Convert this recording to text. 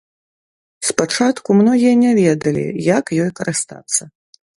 Спачатку многія не ведалі, як ёй карыстацца.